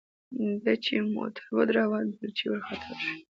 ده چې موټر ودراوه ډولچي ورخطا شو.